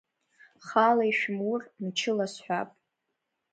Хаала ишәымур, мчыла сҳәап.